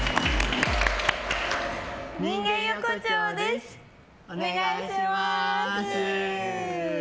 人間横丁です、お願いします。